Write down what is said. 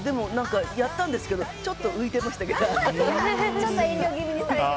やったんですけどちょっと浮いてましたけど。